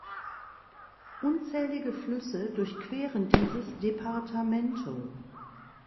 Unzählige Flüsse durchqueren dieses Departamento.